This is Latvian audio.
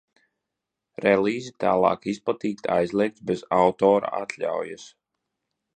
Relīzi tālāk izplatīt aizliegts bez autora atļaujas!